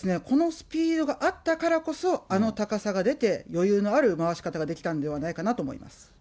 このスピードがあったからこそ、あの高さが出て、余裕のある回し方ができたんではないかなと思います。